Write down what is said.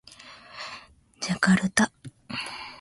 ジャカルタ